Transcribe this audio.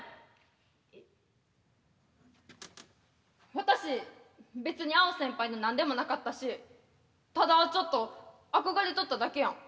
私別にアオ先輩の何でもなかったしただちょっと憧れとっただけやん。